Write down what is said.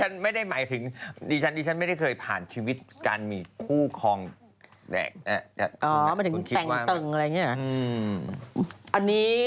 ในฐานะที่ผ่านชีวิตมาอย่างโชคโชน